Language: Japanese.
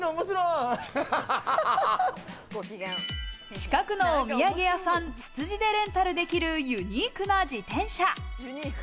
近くのお土産屋さん、つつじでレンタルできるユニークな自転車。